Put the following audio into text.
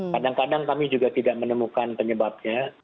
kadang kadang kami juga tidak menemukan penyebabnya